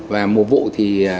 và mùa vụ thì